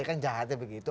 kan jahatnya begitu